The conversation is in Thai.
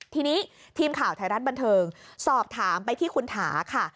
ทีนี้ทีมข่าวไทยรัฐบันเทิงสอบถามไปที่คุณถาค่ะ